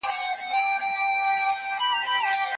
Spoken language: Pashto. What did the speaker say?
نړيوالو سازمانونو له بېوزلو هېوادونو سره مرستې کړې دي.